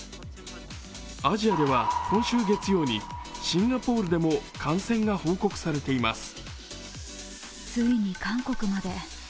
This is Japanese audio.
アジアでは今週月曜日にシンガポールでも感染が報告されています。